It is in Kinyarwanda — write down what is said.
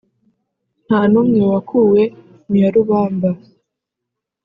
Nta n'umwe wakwuwe mu ya rubamba